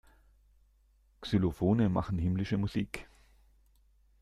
Xylophone machen himmlische Musik.